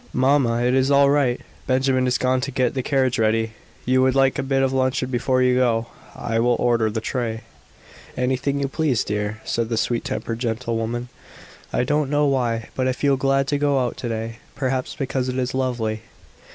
"Mamma, it is all right. Benjamin is gone to get the carriage ready. You would like a bit of luncheon before you go I will order the tray." "Anything you please, dear," said the sweet tempered gentlewoman. "I don't know why, but I feel glad to go out to day; perhaps because it is lovely."